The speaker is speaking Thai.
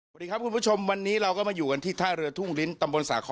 กูดีครับคุณผู้ชมวันนี้เราก็มาอยู่กันที่ท่าเรือถุงลิ้น